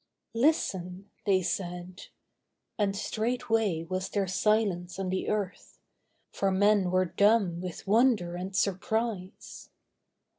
'Listen,' they said, And straightway was there silence on the earth, For men were dumb with wonder and surprise.